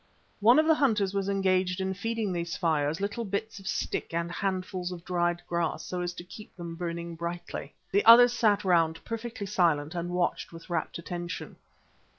One of the hunters was engaged in feeding these fires with little bits of stick and handfuls of dried grass so as to keep them burning brightly. The others sat round perfectly silent and watched with rapt attention.